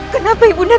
kenapa ibu nara